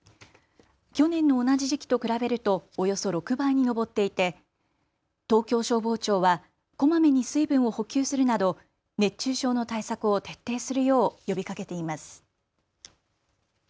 去年の同じ時期と比べるとおよそ６倍に上っていて東京消防庁はこまめに水分を補給するなど熱中症の対策を徹底するよう呼びかけています。